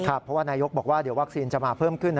เพราะว่านายกบอกว่าเดี๋ยววัคซีนจะมาเพิ่มขึ้น